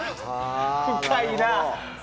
深いな！